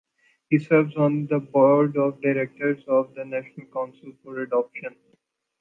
He serves on the board of directors of the National Council for Adoption.